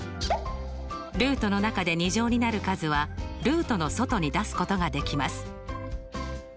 ルートの中で２乗になる数はルートの外に出すことができます。